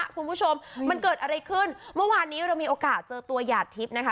คุณผู้ชมมันเกิดอะไรขึ้นเมื่อวานนี้เรามีโอกาสเจอตัวหยาดทิพย์นะคะ